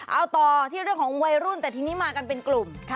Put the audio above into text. เอาต่อที่เรื่องของวัยรุ่นแต่ทีนี้มากันเป็นกลุ่ม